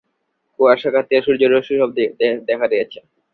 কুয়াশা কাটিয়া সূর্যরশ্মি সবে দেখা দিয়াছে।